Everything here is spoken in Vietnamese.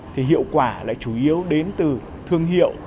thì hiệu quả lại chủ yếu đến từ thương hiệu